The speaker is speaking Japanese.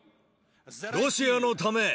ロシアのため！